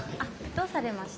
どうされました？